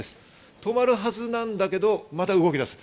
止まるはずなんだけど、また動き出す。